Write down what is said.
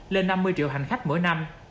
lên năm mươi triệu hành khách mỗi năm